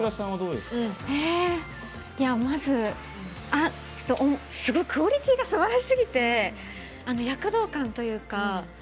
まずすごいクオリティーがすばらしすぎて、躍動感というか。